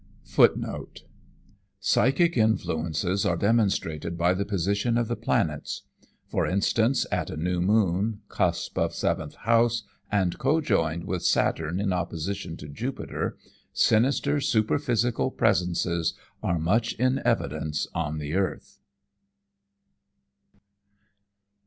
FOOTNOTES: [56:1] Psychic influences are demonstrated by the position of the planets. For instance, at a new moon, cusp of Seventh House, and cojoined with Saturn in opposition to Jupiter, sinister superphysical presences are much in evidence on the earth.